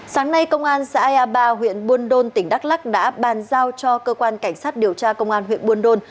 sáng nay công an xã ai a ba huyện buôn đôn tỉnh đắk lắc đã ban giao cho cơ quan cảnh sát điều tra công an huyện buôn đôn